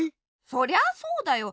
そりゃあそうだよ。